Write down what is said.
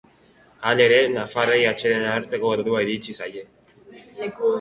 Halere, nafarrei atsedena hartzeko ordua irisi zaie.